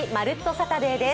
サタデー」です。